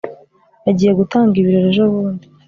bagiye gutanga ibirori ejobundi